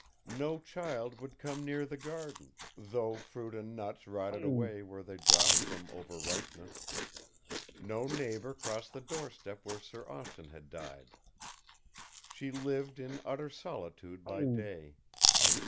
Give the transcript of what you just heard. No child would come near the garden, though fruit and nuts rotted away where they dropped from overripeness. No neighbor crossed the doorstep where Sir Austin had died. She lived in utter solitude by day.